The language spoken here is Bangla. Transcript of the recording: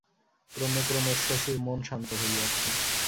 ক্রমে ক্রমে শশীর মন শান্ত হইয়াছে।